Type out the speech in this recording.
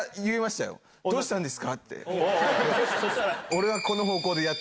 そしたら？